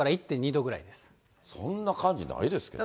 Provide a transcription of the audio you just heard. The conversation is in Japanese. そんな感じないですけどね。